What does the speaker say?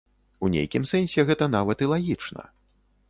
У нейкім сэнсе гэта нават і лагічна.